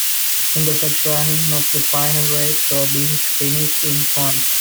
In the first running of the final race, Robbins finished in front.